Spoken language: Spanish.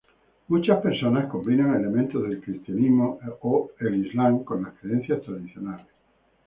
Muchas personas combinan elementos del cristianismo o el islam con las creencias tradicionales.